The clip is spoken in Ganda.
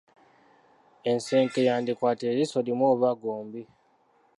Ensenke yandikwata eriiso limu oba gombi